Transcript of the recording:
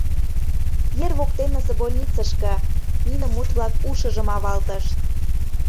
«Ер воктенысе больницышке» — нине мут-влак ушыжым авалтышт.